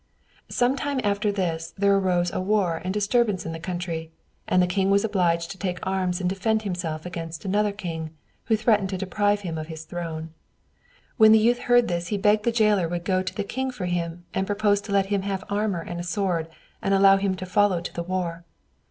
Some time after this, there arose a war and disturbance in the country, and the king was obliged to take arms and defend himself against another king, who threatened to deprive him of his throne. When the youth heard this he begged the jailer would go to the king for him, and propose to let him have armor and a sword, and allow him to follow to the war.